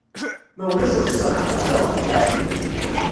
Ma ulac ur tettelḥaq ara ɣer uxeddim.